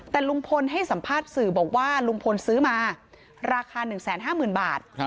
แต่ลุงพลให้สัมภาษณ์สื่อบอกว่าลุงพลซื้อมาราคา๑๕๐๐๐บาท